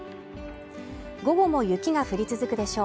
午後も雪が降り続くでしょう